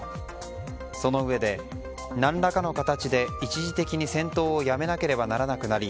そのうえで、何らかの形で一時的に戦闘をやめなければならなくなり